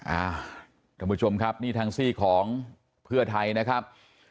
ท่านผู้ชมครับนี่ทางซี่ของเพื่อไทยนะครับ